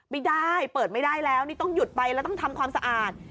ไม่ได้เปิดไม่ได้แล้วนี่ต้องหยุดไปแล้วต้องทำความสะอาด